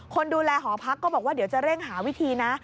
คนดูแลหอพักก็บอกว่าเดี๋ยวจะเร่งหาวิธีนะ